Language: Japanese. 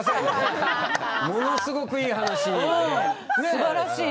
すばらしい。